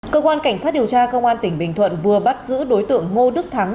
cơ quan cảnh sát điều tra cơ quan tỉnh bình thuận vừa bắt giữ đối tượng ngô đức thắng